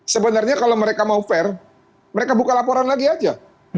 sebenarnya kalau mereka mau fair mereka buka laporan lagi aja